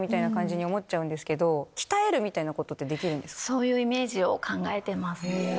そういうイメージを考えてます。